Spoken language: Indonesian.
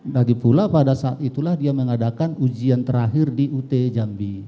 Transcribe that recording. lagi pula pada saat itulah dia mengadakan ujian terakhir di ut jambi